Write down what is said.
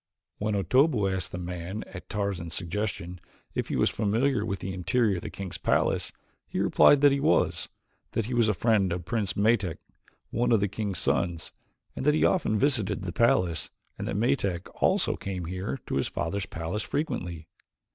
When Otobu asked the man, at Tarzan's suggestion, if he was familiar with the interior of the king's palace, he replied that he was; that he was a friend of Prince Metak, one of the king's sons, and that he often visited the palace and that Metak also came here to his father's palace frequently.